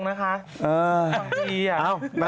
นะคะ